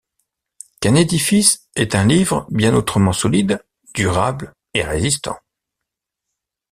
Qu’un édifice est un livre bien autrement solide, durable, et résistant!